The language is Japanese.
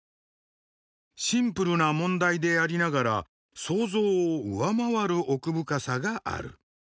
シンプルな問題でありながら想像を上回る奥深さがある。